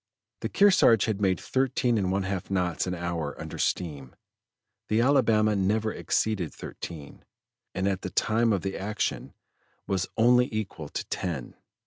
The Kearsarge had made thirteen and one half knots an hour under steam, the Alabama never exceeded thirteen, and at the time of the action was only equal to ten.